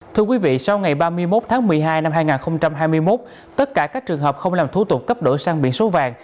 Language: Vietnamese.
thưa quý vị sau ngày ba mươi một tháng một mươi hai năm hai nghìn hai mươi một tất cả các trường hợp không làm thủ tục cấp đổi sang biển số vàng